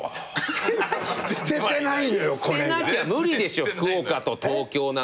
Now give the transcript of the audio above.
捨てなきゃ無理でしょ福岡と東京なんて。